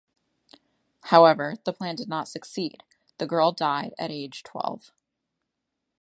However, the plan did not succeed: the girl died at age twelve.